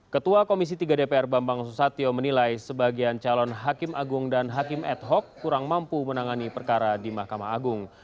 ketua komisi tiga dpr bambang susatyo menilai sebagian calon hakim agung dan hakim ad hoc kurang mampu menangani perkara di mahkamah agung